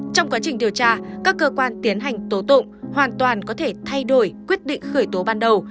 trong quá trình điều tra các cơ quan tiến hành tố tụng hoàn toàn có thể thay đổi quyết định khởi tố ban đầu